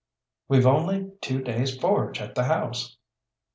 "We've only two days' forage at the house."